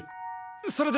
それで？